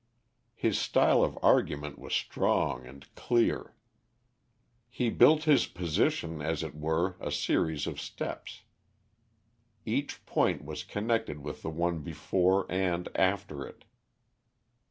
His style of argument was strong and clear. He built his position, as it were, a series of steps. Each point was connected with the one before and after it.